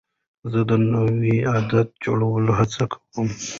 زه د نوي عادت جوړولو هڅه کوم.